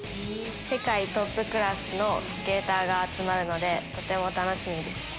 世界トップクラスのスケーターが集まるのでとても楽しみです。